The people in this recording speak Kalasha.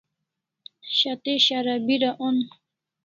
Shat'e Shara bira on